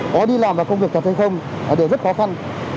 có đi làm và công việc thật hay không đều rất khó khăn